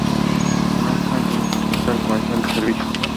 Es un centro industrial, comercial y de servicios.